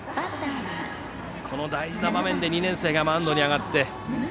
この大事な場面で２年生がマウンドに上がって。